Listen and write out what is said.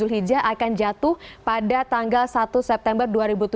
kalau satu zulhijjah akan jatuh pada tanggal satu september dua ribu tujuh belas